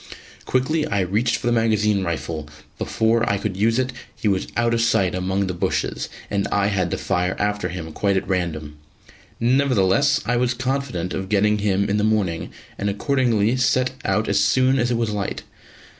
Quickly I reached for the magazine rifle, but before I could use it, he was out of sight among the bushes, and I had to fire after him quite at random. Nevertheless I was confident of getting him in the morning, and accordingly set out as soon as it was light.